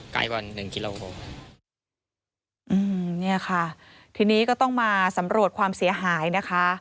ไกลวันหนึ่งกิโลกรัมอืมเนี่ยค่ะทีนี้ก็ต้องมาสำรวจความเสียหายนะคะ